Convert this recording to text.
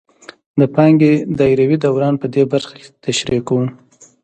د پانګې دایروي دوران په دې برخه کې تشریح کوو